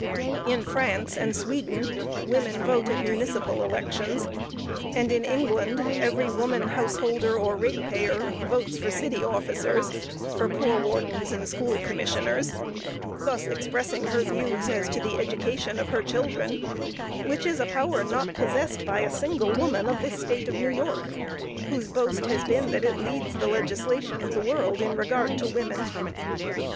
In France and Sweden, women vote at municipal elections, and in England, every woman householder or rate payer, votes for city officers, for poor wardens and school commissioners, thus expressing her views as to the education of her children, which is a power not possessed by a single woman of this State of New York, whose boast has been that it leads the legislation of the world in regard to women.